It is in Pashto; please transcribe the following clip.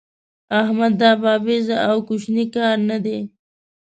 احمده! دا بابېزه او کوشنی کار نه دی.